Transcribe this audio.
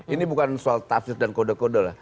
ini bukan soal tafsir dan kode kode lah